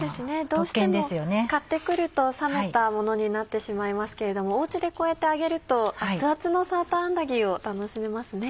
どうしても買って来ると冷めたものになってしまいますけれどもお家でこうやって揚げると熱々のサーターアンダギーを楽しめますね。